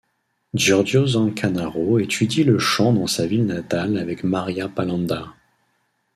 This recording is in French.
Giorgio Zancanaro étudie le chant dans sa ville natale avec Maria Palanda.